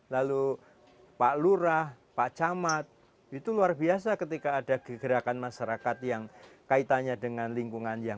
lalu pak lurah pak camat itu luar biasa ketika ada gegerakan masyarakat yang kaitannya dengan lingkungan yang